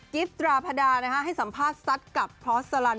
กิ๊บตราพระดานะคะให้สัมภาษณ์สัตว์กับพอสสลัน